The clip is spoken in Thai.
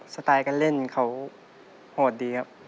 สไตล์การเล่นเขาโหดดีครับ